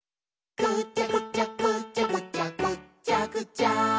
「ぐちゃぐちゃぐちゃぐちゃぐっちゃぐちゃ」